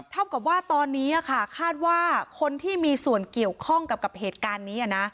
เท่ากับว่าตอนนี้คาดว่าคนที่มีส่วนเกี่ยวข้องกับเหตุการณ์นี้นะ